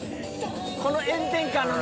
この炎天下の中。